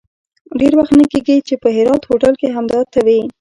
ډېر وخت نه کېږي چې په هرات هوټل کې همدا ته وې.